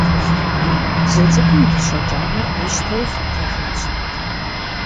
Бзу цӀыкӀум дыщэ кӀанэр къищтэри лъэтэжащ.